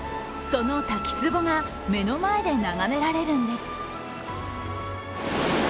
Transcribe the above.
その滝つぼが目の前で眺められるんです。